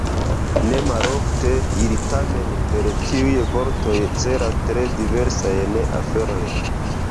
Nemalofte ili tamen per tiuj vortoj celas tre diversajn aferojn.